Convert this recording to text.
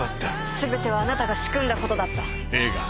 「全てはあなたが仕組んだことだった」